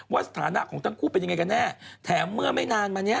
สถานะของทั้งคู่เป็นยังไงกันแน่แถมเมื่อไม่นานมาเนี้ย